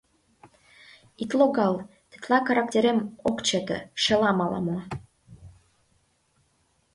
Ит логал, тетла карактерем ок чыте, шелам ала-мо!..